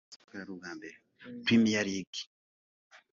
Premier league